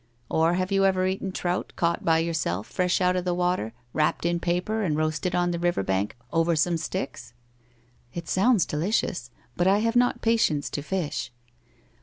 Or have you ever eaten trout, caught by yourself, fresh out of the water, wrapped in paper and roasted on the river bank over some sticks? '' It sounds delicious. But I have not patience to fish.'